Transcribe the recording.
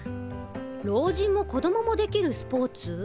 老人も子供もできるスポーツ？